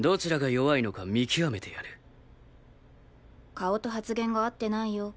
顔と発言が合ってないよ。